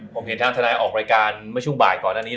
ผมเห็นทางทนายออกรายการเมื่อช่วงบ่ายก่อนอันนี้